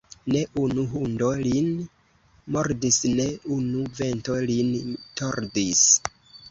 Ne unu hundo lin mordis, ne unu vento lin tordis.